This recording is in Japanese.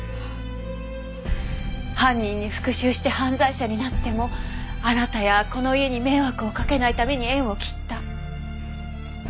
犯人に復讐して犯罪者になってもあなたやこの家に迷惑をかけないために縁を切った。